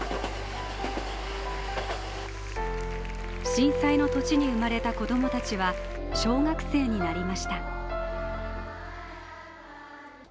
震災の年に生まれた子供たちは小学生になりました。